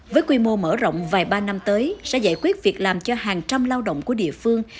với quy mô mở rộng vài ba năm tới sẽ giải quyết việc làm cho hàng trăm lao động của địa phương